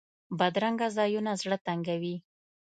بدرنګه ځایونه زړه تنګوي